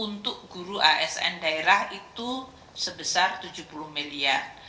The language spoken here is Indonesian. untuk guru asn daerah itu sebesar tujuh puluh miliar